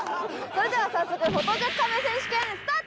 それでは早速フォトジェ壁選手権スタート！